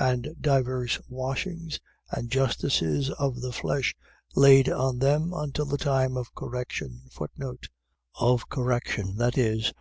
And divers washings and justices of the flesh laid on them until the time of correction. Of correction. . .Viz.